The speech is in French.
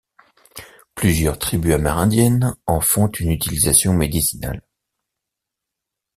Plusieurs tribus amérindiennes en font une utilisation médicinale.